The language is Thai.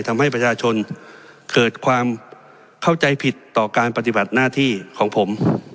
ทำให้ประชาชนเกิดความเข้าใจผิดต่อการปฏิบัติหน้าที่ของผม